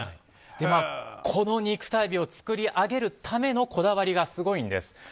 この肉体美を作り上げるためのこだわりがすごいんです。